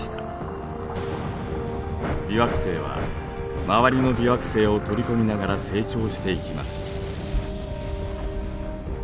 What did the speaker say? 微惑星は周りの微惑星を取り込みながら成長していきます。